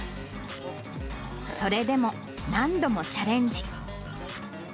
それでも、何度もチャレンジ。